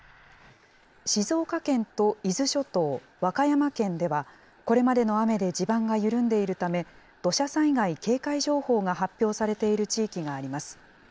静岡県と伊豆諸島、和歌山県では、これまでの雨で地盤が緩んでいるため、土砂災害警戒情報が発表されている地域があります。